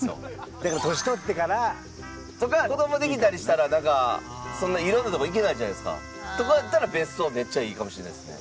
だから年取ってから。とか子どもできたりしたらなんかそんないろんなとこ行けないじゃないですか。とかやったら別荘めっちゃいいかもしれないですね。